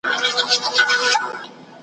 تا به یې په روڼو سترګو خیال تر لاس نیولی وي.